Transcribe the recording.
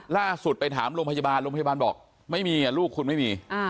ล่าสุดไปถามโรงพยาบาลโรงพยาบาลบอกไม่มีลูกคุณไม่มี